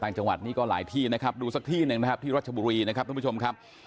จังหวัดนี้ก็หลายที่นะครับดูสักที่หนึ่งนะครับที่รัชบุรีนะครับทุกผู้ชมครับ